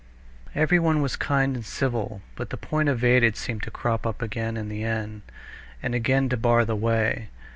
Everyone was kind and civil, but the point evaded seemed to crop up again in the end, and again to bar the way.